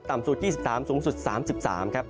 สุด๒๓สูงสุด๓๓ครับ